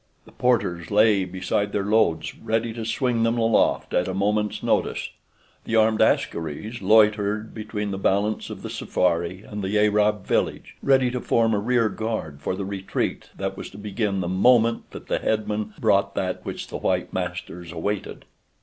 The porters lay beside their loads, ready to swing them aloft at a moment's notice. The armed askaris loitered between the balance of the safari and the Arab village, ready to form a rear guard for the retreat that was to begin the moment that the head man brought that which the white masters awaited.